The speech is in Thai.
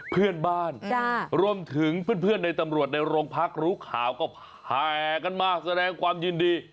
เพื่อนบ้านรวมถึงเพื่อนในตำรวจในโรงพักรู้ข่าวก็แห่กันมาแสดงความยินดี